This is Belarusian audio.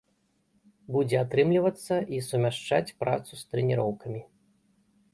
Будзе атрымлівацца і сумяшчаць працу з трэніроўкамі.